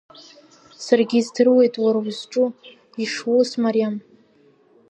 Саргьы издыруеит уара узҿу ишус мариам.